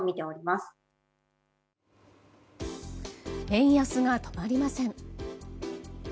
円安が止まりません。